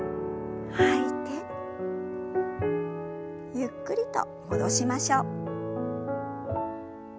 ゆっくりと戻しましょう。